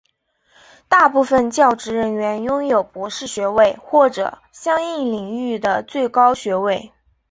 大部分教职人员拥有博士学位或者相应领域的最高学位。